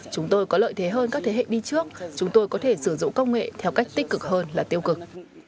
chúng tôi có lợi thế hơn các thế hệ đi trước chúng tôi có thể sử dụng công nghệ theo cách tích cực hơn là tiêu cực